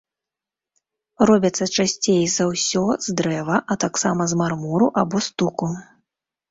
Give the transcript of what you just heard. Робяцца часцей за ўсё з дрэва, а таксама з мармуру або стуку.